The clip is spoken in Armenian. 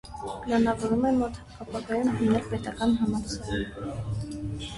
Պլանավորվում է մոտ ապագայում հիմնել պետական համալսարան։